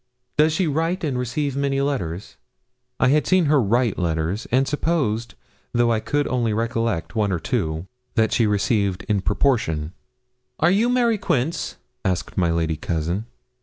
'Does she write and receive many letters?' I had seen her write letters, and supposed, though I could only recollect one or two, that she received in proportion. 'Are you Mary Quince?' asked my lady cousin.